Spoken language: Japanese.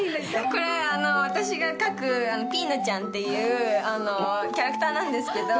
これ、私が描くぴーぬちゃんっていうキャラクターなんですけど。